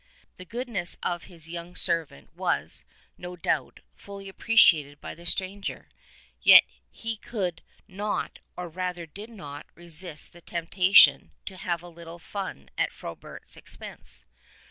The goodness of his young servant was, no doubt, fully appreciated by the stranger ; yet he could not, or rather did not, resist the temptation to have a little fun at Frobert's expense.